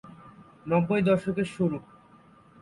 নব্বই দশকের শুরু।